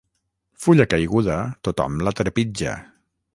Fulla caiguda tothom la trepitja.